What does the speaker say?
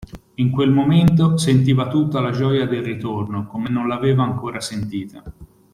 In quel momento, sentiva tutta la gioia del ritorno, come non l'aveva ancora sentita.